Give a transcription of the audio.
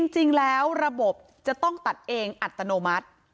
จริงแล้วระบบจะต้องตัดเองอัตโนมัติ